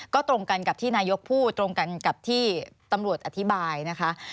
ก็ตรงกันกับที่นายกพูดตรงกันกับที่ตำรวจอธิบายนะคะ